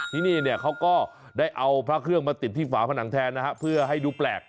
ที่นี่เนี่ยเขาก็ได้เอาพระเครื่องมาติดที่ฝาผนังแทนนะฮะเพื่อให้ดูแปลก